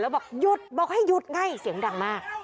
บอกหยุดบอกให้หยุดง่ายเสียงดังมาก